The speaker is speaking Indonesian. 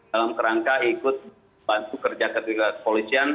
dalam kerangka ikut bantu kerja ketiga polisian